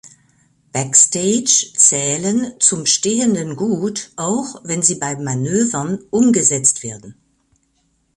Backstage zählen zum stehenden Gut, auch wenn sie bei Manövern umgesetzt werden.